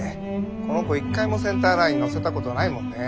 この子一回もセンターラインに乗せたことないもんねぇ。